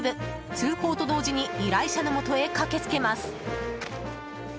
通報と同時に依頼者のもとへ駆け付けます。